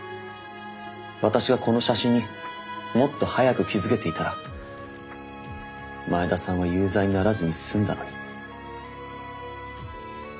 私がこの写真にもっと早く気付けていたら前田さんは有罪にならずに済んだのに。